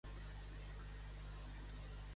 Van dur a terme el seu estratagema?